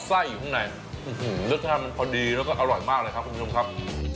ไส้อยู่ข้างในรสชาติมันพอดีแล้วก็อร่อยมากเลยครับคุณผู้ชมครับ